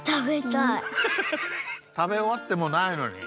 たべおわってもないのに？